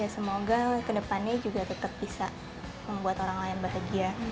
semoga kedepannya juga tetap bisa membuat orang lain bahagia